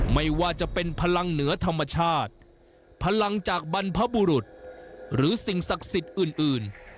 ไม่ว่าจะเป็นพลังเหนือธรรมชาติพลังจากบรรพบุรุษหรือสิ่งศักดิ์สิทธิ์อื่น